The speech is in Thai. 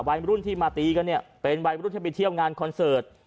วัยรุ่นที่มาตีกันเนี่ยเป็นวัยรุ่นที่ไปเที่ยวงานคอนเสิร์ต